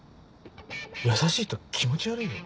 優しいと気持ち悪いよ。